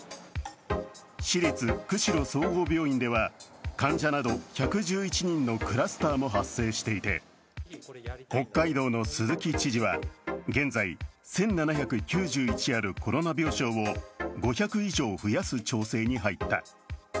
市立釧路総合病院では患者など１１１人のクラスターも発生していて北海道の鈴木知事は現在、１７９１あるコロナ病床を５００以上増やす調整に入った。